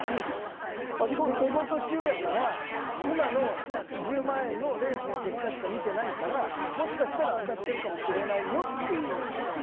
仕事中やから今の１０万円のレースの結果しか見てないから、もしかしたら当たっているかもしれないよっていう。